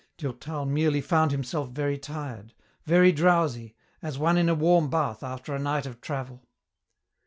Durtal merely found himself very tired, very drowsy, as one in a warm bath after a night of travel.